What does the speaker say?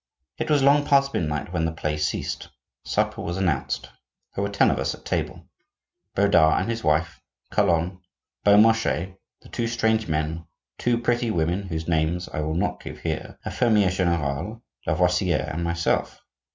It was long past midnight when the play ceased. Supper was announced. There were ten of us at table: Bodard and his wife, Calonne, Beaumarchais, the two strange men, two pretty women, whose names I will not give here, a fermier general, Lavoisier, and myself.